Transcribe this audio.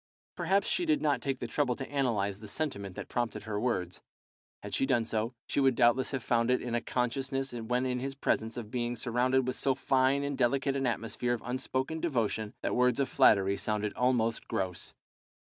Perhaps she did not take the trouble to analyse the sentiment that prompted her words. Had she done so, she would doubtless have found it in a consciousness when in his presence of being surrounded with so fine and delicate an atmosphere of unspoken devotion that words of flattery sounded almost gross.